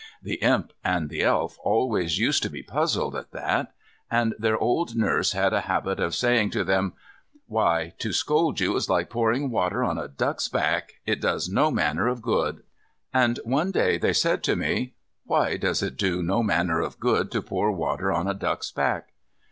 The Imp and the Elf always used to be puzzled at that. And their old nurse had a habit of saying to them: "Why, to scold you is like pouring water on a duck's back; it does no manner of good." And one day they said to me, "Why does it do no manner of good to pour water on a duck's back?"